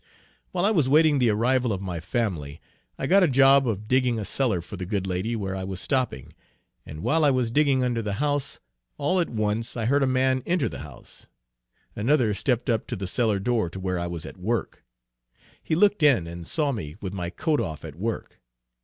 While I was waiting the arrival of my family, I got a job of digging a cellar for the good lady where I was stopping, and while I was digging under the house, all at once I heard a man enter the house; another stept up to the cellar door to where I was at work; he looked in and saw me with my coat off at work.